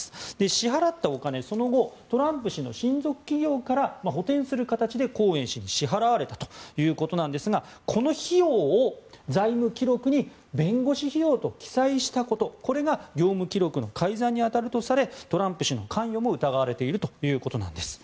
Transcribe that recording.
支払ったお金、その後トランプ氏の親族企業から補てんする形でコーエン氏に支払われたということですがこの費用を財務記録に弁護士費用と記載したことこれが業務記録の改ざんに当たるとされトランプ氏の関与も疑われているということです。